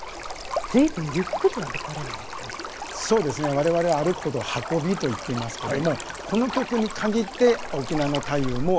我々は歩くことを「運び」と言っていますけどもこの曲に限って翁の太夫も橋懸の真ん中を通る。